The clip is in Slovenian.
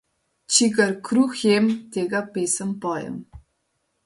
Čigar kruh jem, tega pesem pojem.